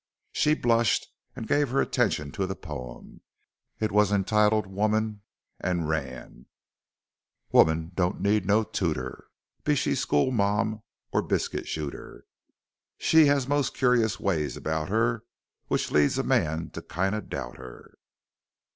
She blushed and gave her attention to the poem. It was entitled: "Woman," and ran; "Woman she dont need no tooter, be she skule mam or biscut shooter. she has most curyus ways about her, which leads a man to kinda dout her.